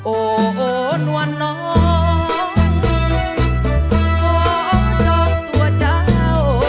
โอ้โน้นน้องขอชอบตัวเจ้า